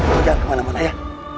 jangan kemana mana ya